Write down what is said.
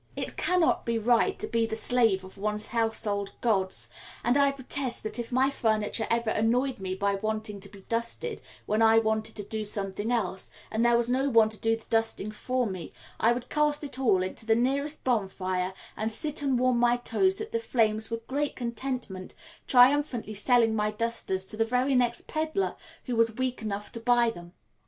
It cannot be right to be the slave of one's household gods, and I protest that if my furniture ever annoyed me by wanting to be dusted when I wanted to be doing something else, and there was no one to do the dusting for me, I would cast it all into the nearest bonfire and sit and warm my toes at the flames with great contentment, triumphantly selling my dusters to the very next pedlar who was weak enough to buy them.